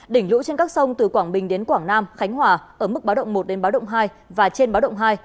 đỉnh lũ trên các sông từ quảng bình đến quảng nam khánh hòa ở mức báo động một đến báo động hai và trên báo động hai